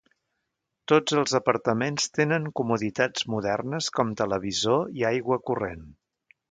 Tots els apartaments tenen comoditats modernes com televisor i aigua corrent.